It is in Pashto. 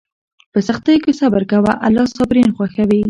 په سختیو کې صبر کوه، الله صابرین خوښوي.